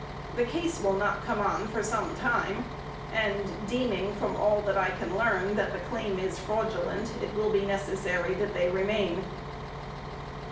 The case will not come on for some time, and, deeming (from all that I can learn) that the claim is fraudulent, it will be necessary that they remain."